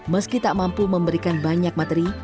meski tak mampu memberikan banyak materi